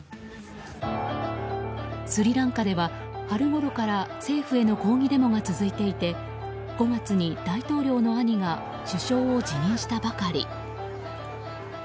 スリランカでは春ごろから政府への抗議デモが続いていて５月に大統領の兄が首相を辞任したばかり。